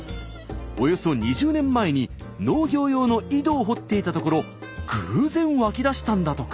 およそ２０年前に農業用の井戸を掘っていたところ偶然湧き出したんだとか。